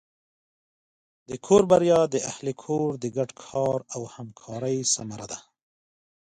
د کور بریا د اهلِ کور د ګډ کار او همکارۍ ثمره ده.